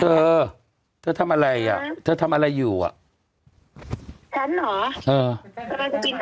เธอเธอทำอะไรอ่ะเธอทำอะไรอยู่อ่ะฉันเหรอเออ